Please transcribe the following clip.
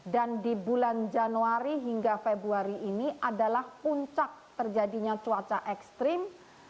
dan di bulan januari hingga februari ini adalah puncak terjadinya cuaca ekstrim